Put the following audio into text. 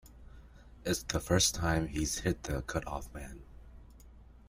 It's the first time he's hit the cutoff man.